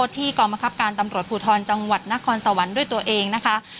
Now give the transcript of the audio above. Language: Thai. ที่กองบังคับการตำรวจภูทรจังหวัดนครสวรรค์ด้วยตัวเองนะคะ